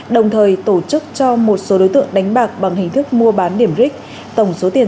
đồng thời tổ chức cho một số đối tượng đánh bạc bằng hình thức mua bán điểm ric tổng số tiền